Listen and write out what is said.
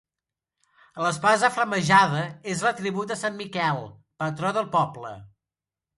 L'espasa flamejada és l'atribut de sant Miquel, patró del poble.